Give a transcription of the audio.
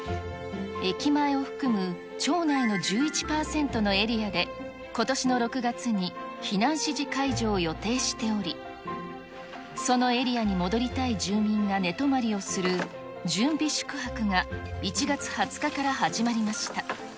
駅前を含む町内の１１％のエリアで、ことしの６月に避難指示解除を予定しており、そのエリアに戻りたい住民が寝泊まりをする準備宿泊が１月２０日から始まりました。